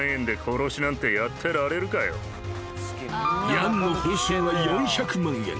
［ヤンの報酬は４００万円］